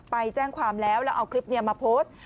ไปแจ้งความแล้วแล้วเอาคลิปนี้มาโพสต์